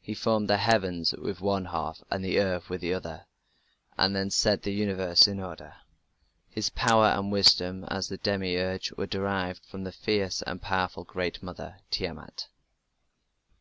He formed the heavens with one half and the earth with the other, and then set the universe in order. His power and wisdom as the Demiurge were derived from the fierce and powerful Great Mother, Tiamat.